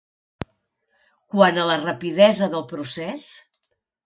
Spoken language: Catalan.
Quant a la rapidesa del procés...